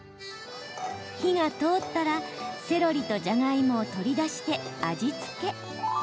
火が通ったら、セロリとじゃがいもを取り出して味付け。